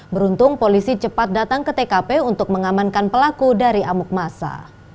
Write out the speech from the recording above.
beruntung polisi cepat datang ke tkp untuk mengamankan pelaku dari amuk masa